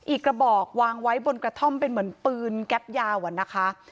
กระบอกวางไว้บนกระท่อมเป็นเหมือนปืนแก๊ปยาวอะนะคะ